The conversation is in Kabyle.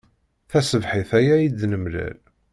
Taṣebḥit aya i d-nemlal.